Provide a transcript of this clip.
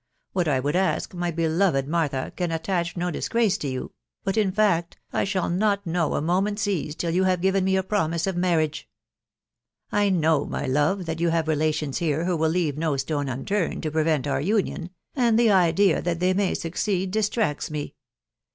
. What I would ask, my beloved Martha, can attach no disgrace to you, .... but, in fact, I shall not know a moment's ease till yon have given me a promise of marriage. I know, my love, that you have relations here who will leave ifo stone unturned' to prevent our union, .... and the idea tfcax ^^^vj wasoeeA districts me !...